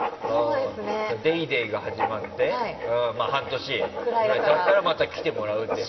「ＤａｙＤａｙ．」が始まって半年ぐらい経ったらまた来てもらうって。